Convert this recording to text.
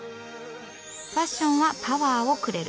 ファッションはパワーをくれる。